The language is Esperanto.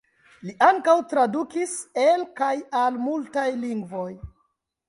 Li ankaŭ tradukis el kaj al multaj lingvoj.